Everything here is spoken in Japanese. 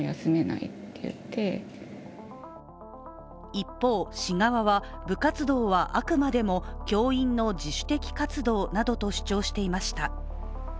一方、市側は、部活動はあくまでも教員の自主的活動などと主張していました。